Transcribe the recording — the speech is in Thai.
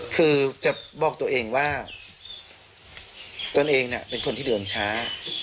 คือจะบอกตัวเองว่าตนเองเป็นคนที่เดินช้า